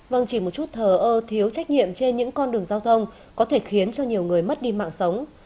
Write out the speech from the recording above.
vâng chỉ một chút thờ ơ thiếu trách nhiệm trên những con đường giao thông có thể khiến cho nhiều người mất đi mạng sống